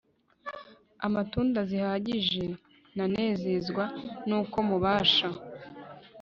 Amatunda zihagije Nanezezwa nuko mubasha